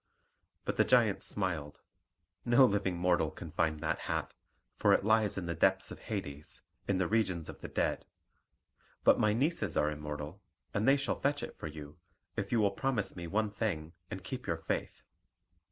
But the giant smiled. "No living mortal can find that hat, for it lies in the depths of Hades, in the regions of the dead. But my nieces are immortal, and they shall fetch it for you, if you will promise me one thing and keep your faith."